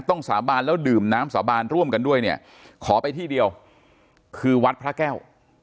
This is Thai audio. สาบานแล้วดื่มน้ำสาบานร่วมกันด้วยเนี่ยขอไปที่เดียวคือวัดพระแก้ว